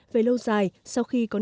về lâu dài sau khi có nông dân